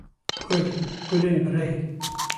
Gul, gulên bi reng